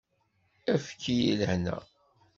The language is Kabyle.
Efk-iyi lehna!